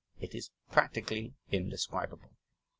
It is practically indescribable.